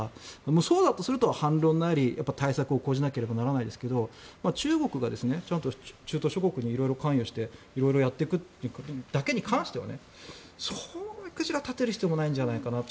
そうだとすると反論なり対策を講じなければならないですけど中国が中東諸国に色々関与して色々やっていくだけに関してはそんなに目くじらを立てる必要はないかなと。